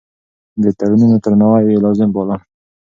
د تړونونو درناوی يې لازم باله.